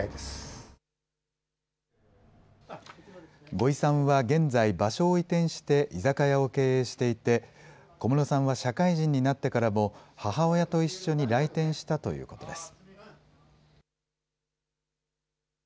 五井さんは現在、場所を移転して、居酒屋を経営していて、小室さんは社会人になってからも、母親と一緒に来店したということです。